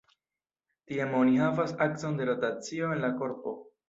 Tiam oni havas akson de rotacio en la korpo.